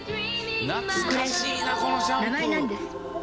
これ名前なんです。